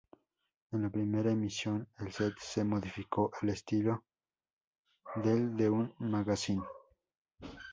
En la primera emisión, el set se modificó al estilo del de un magazín.